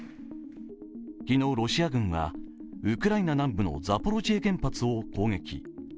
昨日、ロシア軍はウクライナ南部のザポロジエ原発を攻撃。